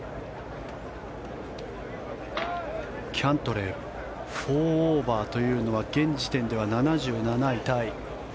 キャントレー４オーバーというのは現時点では７７位タイ。